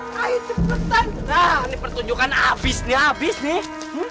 nah ini pertunjukan abis nih abis nih